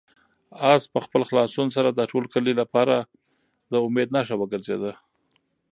آس په خپل خلاصون سره د ټول کلي لپاره د امید نښه وګرځېده.